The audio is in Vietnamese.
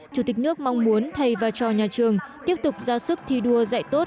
chủ tịch nước mong muốn thầy và trò nhà trường tiếp tục ra sức thi đua dạy tốt